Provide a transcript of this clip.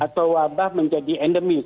atau wabah menjadi endemis